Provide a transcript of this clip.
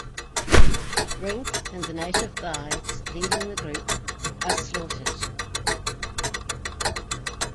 Brink and the native guides leading the group are slaughtered.